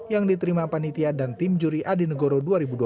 yang diterima panitia dan tim juri adi negoro dua ribu dua puluh